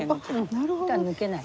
抜けない。